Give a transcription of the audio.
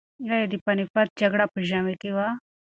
ایا د پاني پت جګړه په ژمي کې وه؟